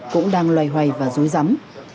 cũng đang loay hoay và dối giắm